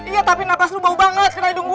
iya tapi nafas lu bau banget kena hidung gua